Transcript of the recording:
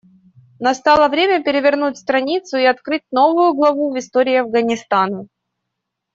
Настало время перевернуть страницу и открыть новую главу в истории Афганистана.